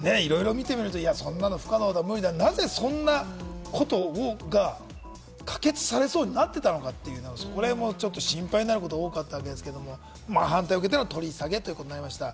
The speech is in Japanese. いろいろ見てみると、そんなの不可能だとか、なぜそんなことが可決されそうになったのか、そこら辺も心配になることが多かったんですけれども、反対を受けての取り下げということになりました。